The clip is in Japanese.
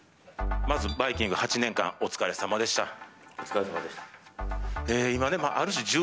まず、「バイキング」８年間お疲れさまでした。